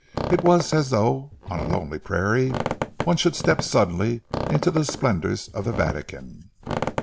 It was as though, on a lonely prairie, one should step suddenly into the splendours of the Vatican.